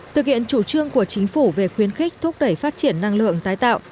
tự kiện chủ trương của chính phủ về khuyến khích thúc đẩy phát triển năng lượng tái tạo